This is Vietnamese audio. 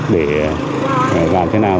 để làm thế nào